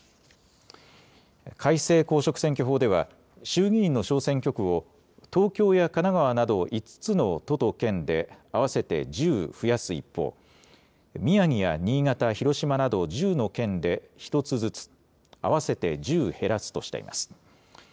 改正公職選挙法では、衆議院の小選挙区を、東京や神奈川など５つの都と県で合わせて１０増やす一方、宮城や新潟、広島など１０の県で１つずつ、合わせて１０減らすとしています。